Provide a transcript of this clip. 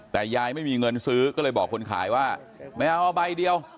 แต่ยายไม่มีเงินซื้อก็เลยบอกคนขายว่าไม่เอาเอาใบเดียว